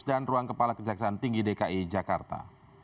dan ruang kepala kejaksaan tinggi dki jakarta